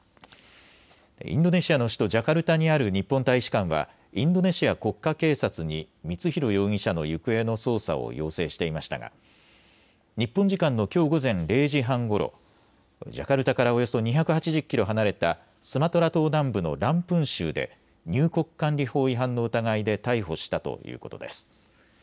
インドネシアの首都ジャカルタにある日本大使館はインドネシア国家警察に光弘容疑者の行方の捜査を要請していましたが日本時間のきょう午前０時半ごろ、ジャカルタからおよそ２８０キロ離れたスマトラ島南部のランプン州で入国管理法違反の疑いで逮捕したということです。